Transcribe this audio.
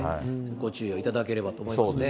ご注意をいただければと思いますね。